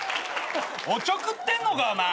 おちょくってんのかお前！